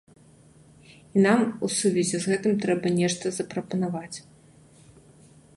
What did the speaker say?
І нам у сувязі з гэтым трэба нешта запрапанаваць.